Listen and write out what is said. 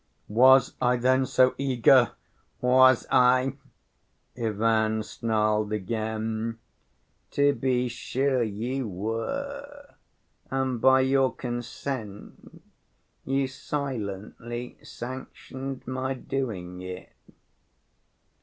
"Was I then so eager, was I?" Ivan snarled again. "To be sure you were, and by your consent you silently sanctioned my doing it."